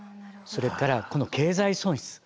それからこの経済損失。